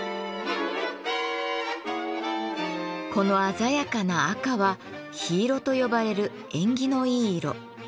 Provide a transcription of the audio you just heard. この鮮やかな赤は緋色と呼ばれる縁起のいい色。